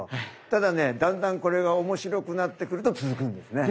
ただねだんだんこれが面白くなってくると続くんですね。